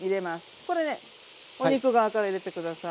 これねお肉側から入れて下さい。